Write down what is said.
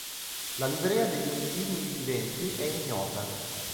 La livrea degli individui viventi è ignota.